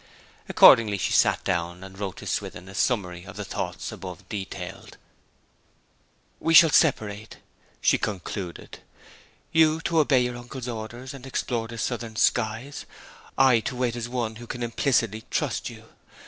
Accordingly she sat down, and wrote to Swithin a summary of the thoughts above detailed. 'We shall separate,' she concluded. 'You to obey your uncle's orders and explore the southern skies; I to wait as one who can implicitly trust you.